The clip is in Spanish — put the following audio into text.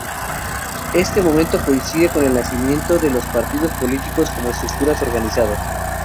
Este momento coincide con el nacimiento de los partidos políticos como estructuras organizadas.